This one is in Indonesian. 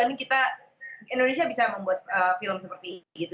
ini kita indonesia bisa membuat film seperti gitu